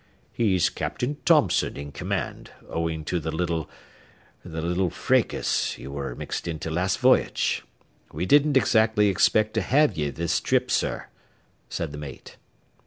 "He's Captain Thompson, in command, owing to the little the little fracas you was mixed into last v'yage. We didn't exactly expect to have ye this trip, sir," said the mate.